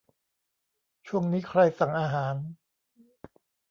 ช่วงนี้ใครสั่งอาหาร